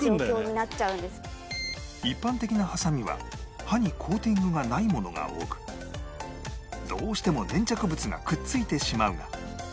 一般的なハサミは刃にコーティングがないものが多くどうしても粘着物がくっついてしまうが